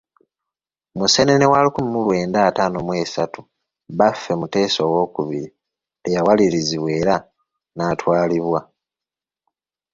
Museenene wa lukumi mu lwenda ataano mu esatu, Bbaffe, Muteesa owookubiri, lwe yawalirizibwa era n'atwalibwa.